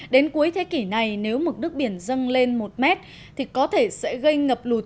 đến cuối thế kỷ này nếu mực nước biển dâng lên một mét thì có thể sẽ gây ngập lụt